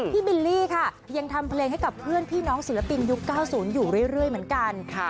บิลลี่ค่ะยังทำเพลงให้กับเพื่อนพี่น้องศิลปินยุค๙๐อยู่เรื่อยเหมือนกัน